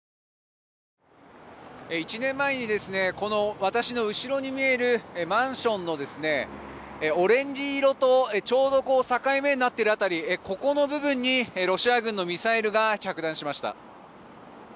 １年前にこの私の後ろに見えるマンションのオレンジ色とちょうど境目になっている辺りここの部分にロシア軍のミサイルが着弾しました。